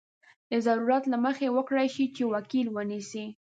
د ضرورت له مخې وکړای شي چې وکیل ونیسي.